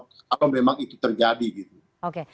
kalau memang itu terjadi gitu